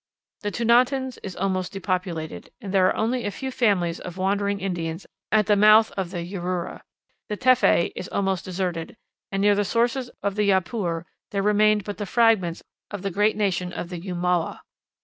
The Tunantins is almost depopulated, and there are only a few families of wandering Indians at the mouth of the Jurua. The Teffé is almost deserted, and near the sources of the Japur there remained but the fragments of the great nation of the Umaüa.